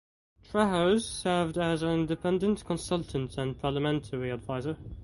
Trejos served as an independent consultant and parliamentary adviser.